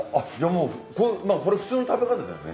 もうこれ普通の食べ方だよね。